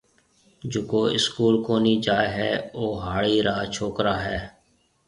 جڪو اسڪول ڪونِي جائي هيَ او هاڙِي را ڇوڪرا هيَ۔